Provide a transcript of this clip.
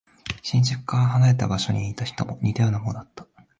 新宿から離れた場所にいた人も似たようなものだった。